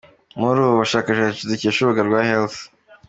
Muri ubu bushakashatsi dukesha urubuga rwa Health.